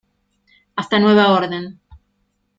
hasta nueva orden.